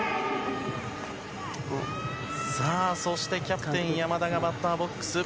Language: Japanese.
そして、キャプテン山田がバッターボックス。